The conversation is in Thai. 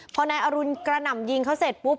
พอนายอรุณกระหน่ำยิงเขาเสร็จปุ๊บ